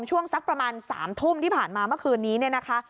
ช่วงสักประมาณ๓ทุ่มที่ผ่านมาเมื่อคืนนี้เนี่ยนะคะ